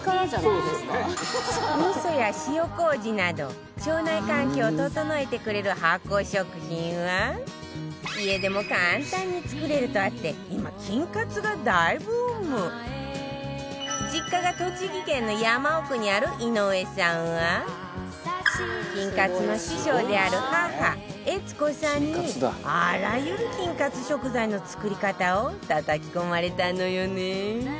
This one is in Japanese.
味噌や塩麹など腸内環境を整えてくれる発酵食品は家でも簡単に作れるとあって今実家が栃木県の山奥にある井上さんは菌活の師匠である母悦子さんにあらゆる菌活食材の作り方をたたき込まれたのよね